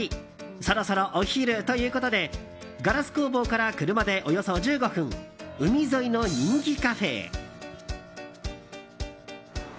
そろそろお昼ということでガラス工房から車でおよそ１５分海沿いの人気カフェへ。